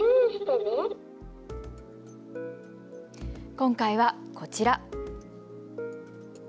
今回はこちら。